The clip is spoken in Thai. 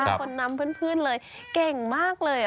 คนนำเพื่อนเลยเก่งมากเลย